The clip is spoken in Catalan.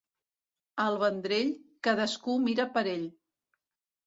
Al Vendrell, cadascú mira per ell.